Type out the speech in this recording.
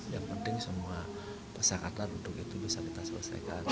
yang penting semua kesakatan untuk itu bisa kita selesaikan